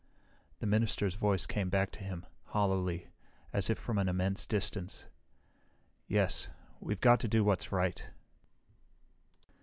The minister's voice came back to him, hollowly, as if from an immense distance. "Yes, we've got to do what's right."